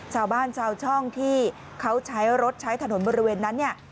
ชาวบ้านชาวช่องที่เขาใช้รถใช้ถนนบริเวณนั้นเนี่ย